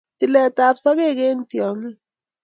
tiletap sogek eng tyongik